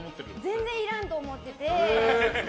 全然いらんと思ってて。